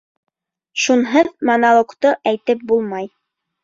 Шунһыҙ монологты әйтеп булмай.